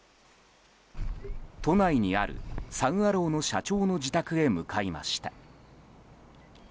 都内にあるサン・アローの社長の自宅へ向かいました。